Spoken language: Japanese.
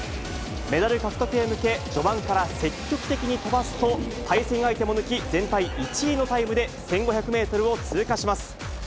メダル獲得へ向け、序盤から積極的に飛ばすと、対戦相手も抜き、全体１位のタイムで１５００メートルを通過します。